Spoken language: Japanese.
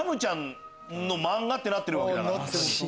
ってなってるわけだから。